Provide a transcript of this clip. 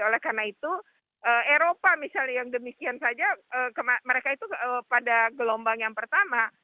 oleh karena itu eropa misalnya yang demikian saja mereka itu pada gelombang yang pertama